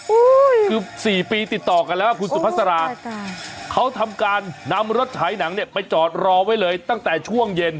คือ๔ปีติดต่อกันแล้วคุณสุภาษาเขาทำการนำรถฉายหนังเนี่ยไปจอดรอไว้เลยตั้งแต่ช่วงเย็น